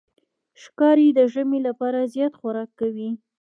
ښکاري د ژمي لپاره زیات خوراک کوي.